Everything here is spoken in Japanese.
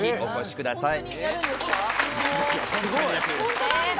ぜひお越しください。